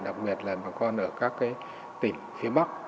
đặc biệt là bà con ở các tỉnh phía bắc